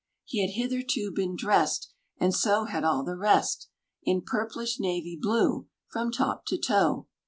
He had hitherto been dressed (And so had all the rest) In purplish navy blue from top to toe!